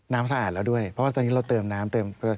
สะอาดแล้วด้วยเพราะว่าตอนนี้เราเติมน้ำเติม